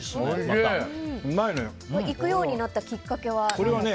行くようになったきっかけは？